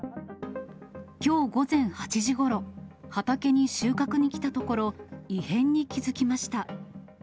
きょう午前８時ごろ、畑に収穫に来たところ、異変に気付きました。